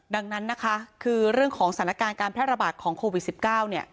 ดังนั้นนะคะคือเรื่องของสถานการณ์การแพร่ระบาดของโควิด๑๙เนี่ย